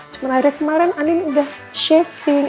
cuma akhirnya kemarin andin udah shaving